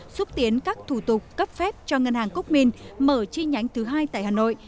xúc tiến các thủ tục cấp phép cho ngân hàng quốc minh mở chi nhánh thứ hai tại hà nội